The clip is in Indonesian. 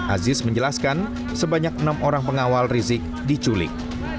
aziz menjelaskan sebanyak enam orang pengawal rizik diculik